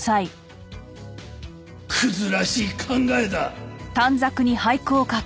クズらしい考えだ。